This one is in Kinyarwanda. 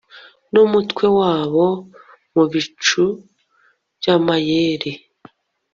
numutwe wabo mubicu byamayeri